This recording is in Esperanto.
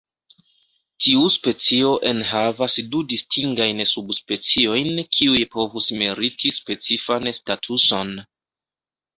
Tiu specio enhavas du distingajn subspeciojn kiuj povus meriti specifan statuson.